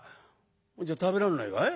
「じゃあ食べらんないかい？」。